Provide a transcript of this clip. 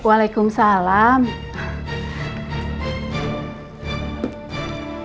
jangan lupa like subscribe share dan subscribe yaa